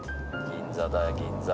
銀座だ、銀座。